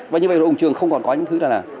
và như vậy hội đồng trường không còn có những thứ là